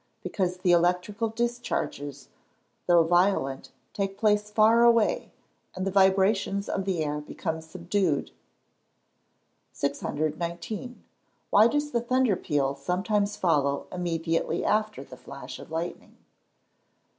_ Because the electrical discharges, though violent, take place far away, and the vibrations of the air become subdued. 619. _Why does the thunder peal sometimes follow immediately after the flash of lightning?